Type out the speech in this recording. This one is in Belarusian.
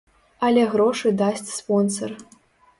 Але грошы дасць спонсар.